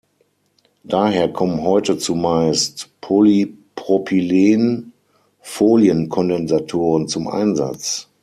Daher kommen heute zumeist Polypropylen-Folienkondensatoren zum Einsatz.